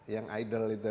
yang idol itu kan